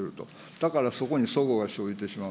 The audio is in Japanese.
だからそこに齟齬が生じてしまう。